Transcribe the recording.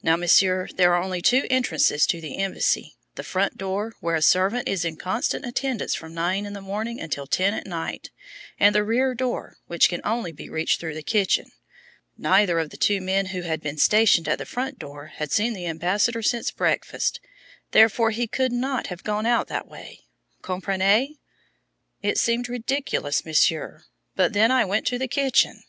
"Now, Monsieur, there are only two entrances to the embassy the front door, where a servant is in constant attendance from nine in the morning until ten at night, and the rear door, which can only be reached through the kitchen. Neither of the two men who had been stationed at the front door had seen the ambassador since breakfast, therefore he could not have gone out that way. Comprenez? It seemed ridiculous, Monsieur, but then I went to the kitchen.